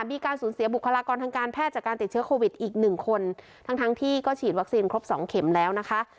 มีการสูญเสียบุคลากรทางการแพทย์จากการติดเชื้อโควิดอีกหนึ่งคนทั้งทั้งที่ก็ฉีดวัคซีนครบสองเข็มแล้วนะคะ